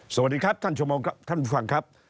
สวัสดีครับท่านผู้ฟังครับ